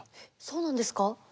そうなんですか？